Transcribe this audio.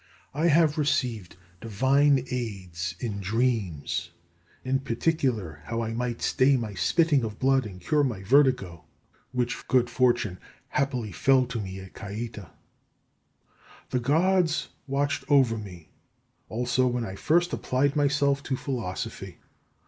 I have received divine aids in dreams; as in particular, how I might stay my spitting of blood and cure my vertigo; which good fortune happily fell to me at Caieta. The Gods watched over me also when I first applied myself to philosophy.